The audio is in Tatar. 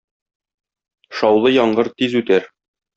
Шаулы яңгыр тиз үтәр.